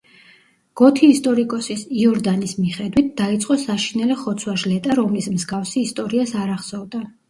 გოთი ისტორიკოსის, იორდანის მიხედვით, დაიწყო საშინელი ხოცვა-ჟლეტა, რომლის მსგავსი ისტორიას არ ახსოვდა.